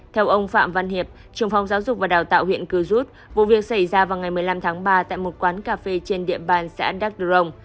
theo ông phạm văn hiệp trưởng phòng giáo dục và đào tạo huyện cư rút vụ việc xảy ra vào ngày một mươi năm tháng ba tại một quán cà phê trên địa bàn xã đắk đơng